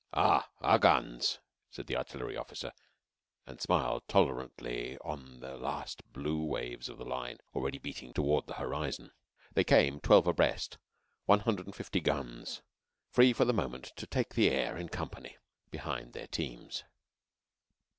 "Ah! Our guns," said an artillery officer, and smiled tolerantly on the last blue waves of the Line already beating toward the horizon. They came twelve abreast one hundred and fifty guns free for the moment to take the air in company, behind their teams.